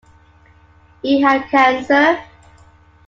He had cancer.